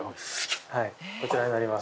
こちらになります。